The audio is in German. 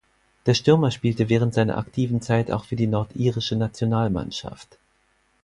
Der Stürmer spielte während seiner aktiven Zeit auch für die nordirische Nationalmannschaft.